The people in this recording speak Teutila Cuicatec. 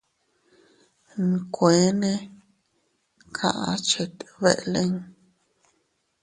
Nkueene kaʼa chet beʼe lin.